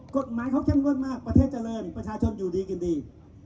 กฎหมายเขาเข้มงวดมากประเทศเจริญประชาชนอยู่ดีกินดี